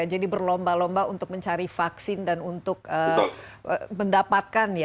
jadi berlomba lomba untuk mencari vaksin dan untuk mendapatkan